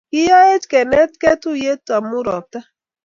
kiyaech kenaktaen tuiye omu robta